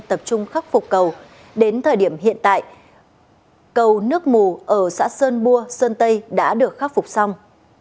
tập trung khắc phục cầu đến thời điểm hiện tại cầu nước mù ở xã sơn bua sơn tây đã được khắc phục xong